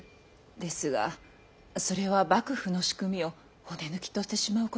ですがそれは幕府の仕組みを骨抜きとしてしまうことに。